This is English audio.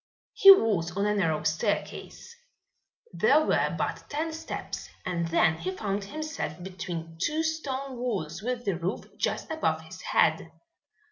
He was on a narrow staircase. There were but ten steps and then he found himself between two stone walls with the roof just above his head.